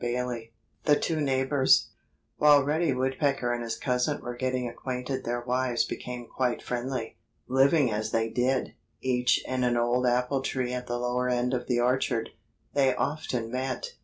*VII* *THE TWO NEIGHBORS* While Reddy Woodpecker and his cousin were getting acquainted their wives became quite friendly. Living as they did, each in an old apple tree at the lower end of the orchard, they often met.